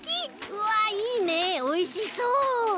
うわっいいねおいしそう！